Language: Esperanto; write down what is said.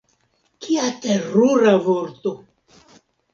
Kia terura vorto!